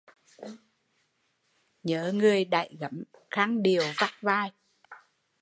Nhớ người đãy gấm khăn điều vắt vai